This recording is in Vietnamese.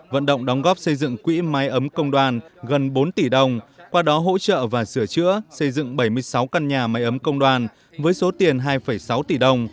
vận động đóng góp xây dựng quỹ máy ấm công đoàn gần bốn tỷ đồng qua đó hỗ trợ và sửa chữa xây dựng bảy mươi sáu căn nhà máy ấm công đoàn với số tiền hai sáu tỷ đồng